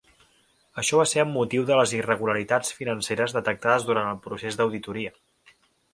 Això va ser amb motiu de les irregularitats financeres detectades durant el procés d'auditoria.